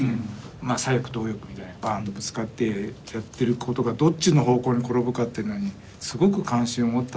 左翼と右翼みたいなのがバンとぶつかってやってることがどっちの方向に転ぶかというのにすごく関心を持ったっていうことですよね。